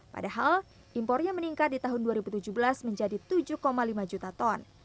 padahal impornya meningkat di tahun dua ribu tujuh belas menjadi tujuh lima juta ton